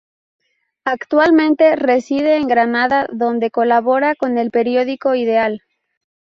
Actualmente reside en Granada donde colabora con el periódico Ideal.